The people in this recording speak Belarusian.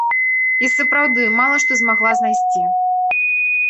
І, сапраўды, мала што змагла знайсці.